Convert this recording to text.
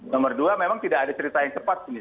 nomor dua memang tidak ada cerita yang cepat